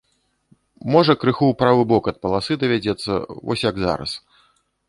Можа крыху ў правы бок ад паласы давядзецца вось як зараз.